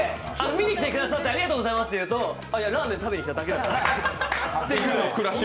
見に来てくださってありがとうございますって言うとあっ、ラーメン食べに来ただけやからって。